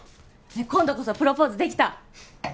今度こそプロポーズできた？